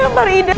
ya allah kang